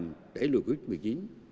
giúp đẩy lùi covid một mươi chín